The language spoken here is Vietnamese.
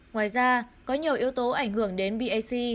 ngoài ra có nhiều yếu tố ảnh hưởng đến bac